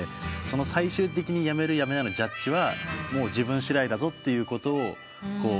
最終的にやめるやめないのジャッジは自分しだいだぞっていうことを歌ってくれて。